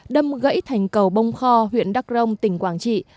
đâm gãy thành cầu bông kho huyện đắk rông tỉnh quảng trị